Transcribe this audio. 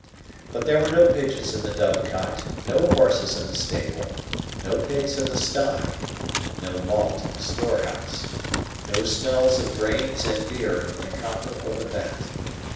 But there were no pigeons in the dove cot, no horses in the stable, no pigs in the sty, no malt in the storehouse, no smells of grains and beer in the copper or the vat.